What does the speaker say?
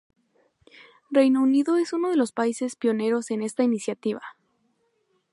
Reino Unido es uno de los países pioneros en esta iniciativa.